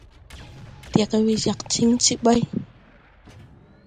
Tẽg we jag tiŋ ti ɓay.